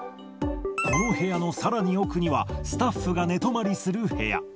この部屋のさらに奥には、スタッフが寝泊まりする部屋。